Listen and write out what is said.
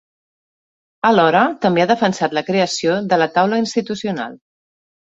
Alhora també ha defensat la creació de la taula institucional.